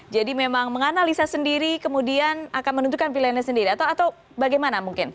jadi memang menganalisa sendiri kemudian akan menentukan pilihannya sendiri atau bagaimana mungkin